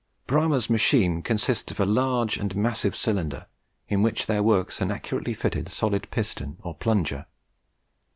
Bramah's machine consists of a large and massive cylinder, in which there works an accurately fitted solid piston or plunger.